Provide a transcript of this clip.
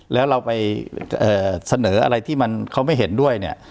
แล้วเราไปเสนออะไรที่มันเขาไม่เห็นด้วยเนี่ย